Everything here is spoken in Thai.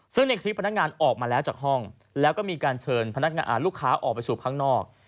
ซึ่งในคลิปพนักงานออกมาแล้วจากห้องแล้วก็มีการเชิญพนักงานลูกค้าออกไปสู่ข้างนอก